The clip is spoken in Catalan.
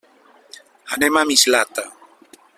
Anem a Mislata.